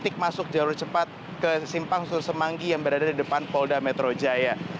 titik masuk jalur cepat ke simpang susur semanggi yang berada di depan polda metro jaya